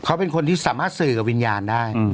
เขาเป็นคนที่สามารถสื่อกับวิญญาณได้